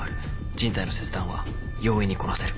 人体の切断は容易にこなせる。